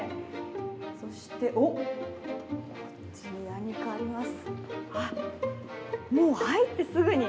そして、こっちに何かあります。